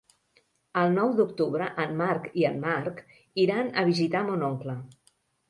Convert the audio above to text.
El nou d'octubre en Marc i en Marc iran a visitar mon oncle.